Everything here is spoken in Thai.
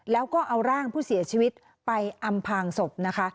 แล้วก็เอาร่างผู้เสียชีวิตไปอำพางศพนะคะ